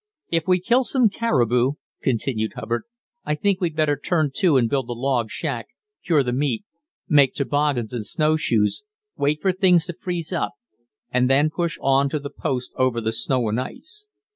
"If we kill some caribou," continued Hubbard, "I think we'd better turn to and build a log shack, cure the meat, make toboggans and snowshoes, wait for things to freeze up, and then push on to the post over the snow and ice.